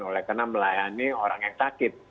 oleh karena melayani orang yang sakit